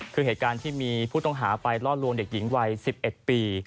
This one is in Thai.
คือเหตุการณ์ที่มีผู้ต้องหาไปล่อลวงเด็กหญิงวัย๑๑ปี